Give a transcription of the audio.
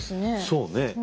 そうね。